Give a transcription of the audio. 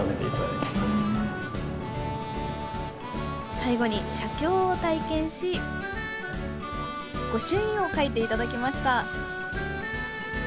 最後に写経を体験し御朱印を書いていただきました。